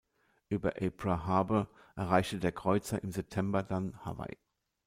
Über Apra Harbor erreichte der Kreuzer im September dann Hawaii.